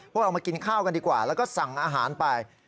พวกเรามากินข้าวกันดีกว่าแล้วก็สั่งอาหารไป